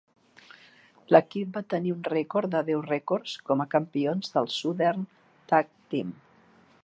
L'equip va tenir un rècord de deu rècords com a campions del Southern Tag Team.